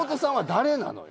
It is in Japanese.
誰なのよ？